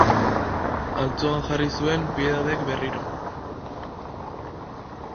Altzoan jarri zuen Piedadek berriro.